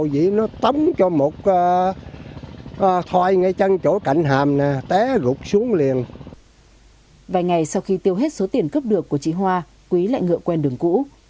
vài ngày sau khi tiêu hết số tiền cướp được của chị hoa quý lại ngựa quen đường cũ